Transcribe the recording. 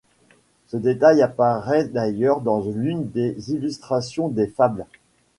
Ce détail apparaît d'ailleurs dans l'une des illustrations des fables.